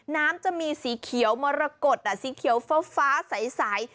น้ำจะมีสีเขียวมรกฏสีเขียวฟ้าใส